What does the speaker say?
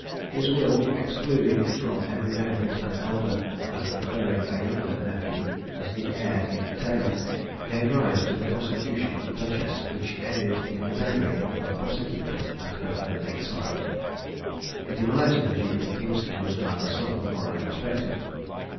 His will, excluding from every benefit an elder, and preferring a younger nephew as the heir in tail, gave rise to the prosecution of the duchess, which ended in the beggary of her prosecutor and her own exile. The demise of the Duke of Kingston was neither sudden nor unexpected.